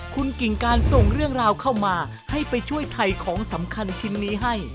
คุณกิ่งการส่งเรื่องราวเข้ามาให้ไปช่วยถ่ายของสำคัญชิ้นนี้ให้